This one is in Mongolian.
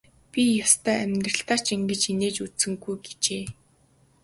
Би ёстой амьдралдаа ч ингэж инээж үзсэнгүй гэжээ.